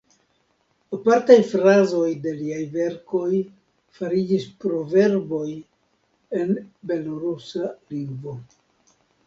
Apartaj frazoj de liaj verkoj fariĝis proverboj en belorusa lingvo.